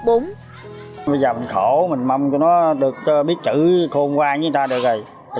bây giờ mình khổ mình mong cho nó được biết chữ khôn qua với ta được rồi